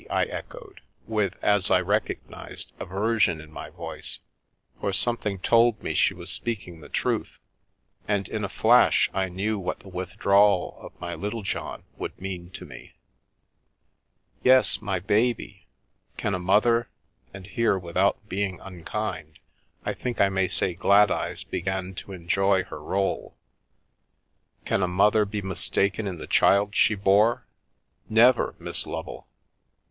" I echoed, with, as I recognised, aver sion in my voice, for something told me she was speaking the truth, and in a flash, I knew what the withdrawal of my Little John would mean to me. " Yes, my baby. Can a mother "— and here, with out being unkind, I think I may say Gladeyes began to enjoy her role —" can a mother be mistaken in the child she bore ? Never, Miss Lovel !